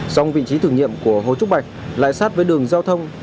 dòng vị trí thử nghiệm của hồ trúc bạch lại sát với đường giao thông